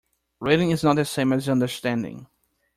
Reading is not the same as understanding.